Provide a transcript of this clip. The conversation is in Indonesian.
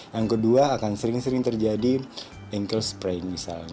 yang kedua akan sering sering terjadi ankle sprain